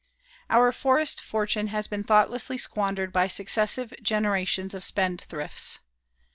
Our forest fortune has been thoughtlessly squandered by successive generations of spendthrifts.